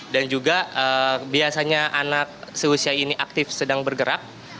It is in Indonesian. dan juga biasanya anak seusia ini aktif sedang bergerak